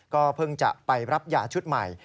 ก็เพิ่งจะไปรับยาชุดใหม่